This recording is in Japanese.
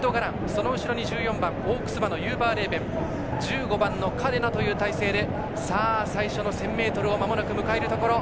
その後ろに１４番、オークス馬のユーバーレーベン１５番、カデナという体制で最初の１０００ｍをまもなく迎えるところ。